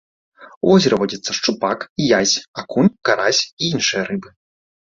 У возеры водзяцца шчупак, язь, акунь, карась і іншыя рыбы.